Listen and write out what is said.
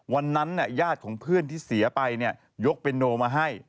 วันนั้นญาติของเพื่อนที่เสียไปยกเปียนโนมาให้